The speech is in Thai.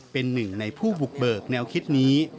เป็นหนึ่งในผู้บุกเบิกแนวคิดนี้